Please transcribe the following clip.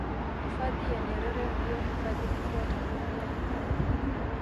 hifadhi ya nyerere ndiyo hifadhi kubwa tanzania